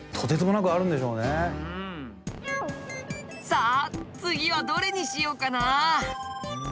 さあ次はどれにしようかな。